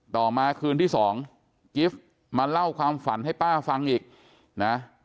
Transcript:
ต่อมาคืนที่สองกิฟต์มาเล่าความฝันให้ป้าฟังอีกนะ